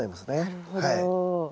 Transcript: なるほど。